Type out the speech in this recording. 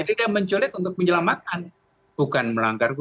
jadi dia menculik untuk menyelamatkan bukan melanggar